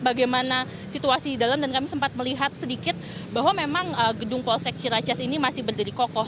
bagaimana situasi di dalam dan kami sempat melihat sedikit bahwa memang gedung polsek ciracas ini masih berdiri kokoh